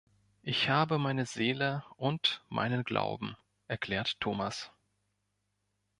„Ich habe meine Seele ... und meinen Glauben“, erklärt Thomas.